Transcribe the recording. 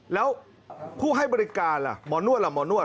แล้วผู้ให้บริการล่ะหมอนวดล่ะหมอนวด